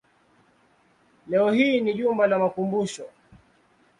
Leo hii ni jumba la makumbusho.